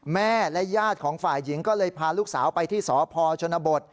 แม่และญาติของฝ่ายหญิงก็เลยพาลูกสาวไปที่สพชนบท